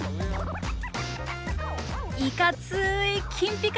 いかつい金ピカ